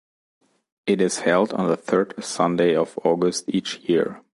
It is held on the third Sunday of August each year.